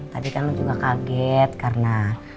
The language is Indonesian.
tadi kan juga kaget karena